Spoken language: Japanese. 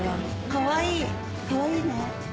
かわいいかわいいね。